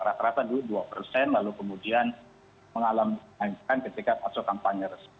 rata rata dulu dua persen lalu kemudian mengalami ketika masa kampanye resmi